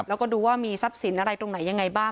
แล้วก็ดูว่ามีทรัพย์สินอะไรตรงไหนยังไงบ้าง